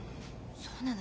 そうなのよ。